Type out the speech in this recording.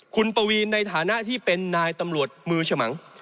คุณปวีนในฐานะที่เป็นนายตำรวจมือฉมัง